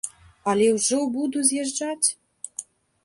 Але ўжо буду з'язджаць.